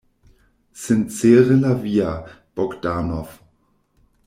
Sincere la via, Bogdanov.